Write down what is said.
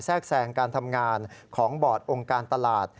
แทรกแซงการทำงานของบอร์ดองค์การตลาด